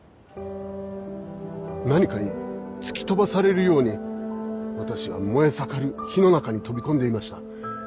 何かに突き飛ばされるように私は燃え盛る火の中に飛び込んでいました。